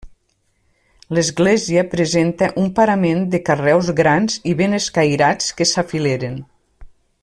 L'església presenta un parament de carreus grans i ben escairats que s'afileren.